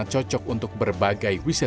tempat sin budaya